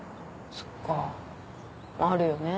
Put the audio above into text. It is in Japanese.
そっかあるよね